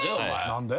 何で？